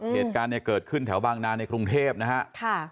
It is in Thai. เหตุการณ์เนี่ยเกิดขึ้นแถวบางนาในกรุงเทพนะฮะ